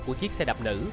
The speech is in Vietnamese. của chiếc xe đạp nữ